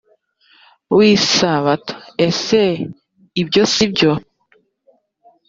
w isabato ese ibyo si byo